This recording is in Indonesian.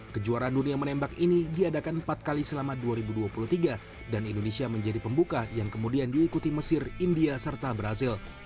kejuaraan dunia menembak ini diadakan empat kali selama dua ribu dua puluh tiga dan indonesia menjadi pembuka yang kemudian diikuti mesir india serta brazil